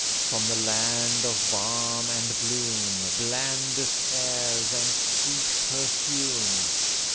From the land of balm and bloom, Blandest airs and sweet perfume.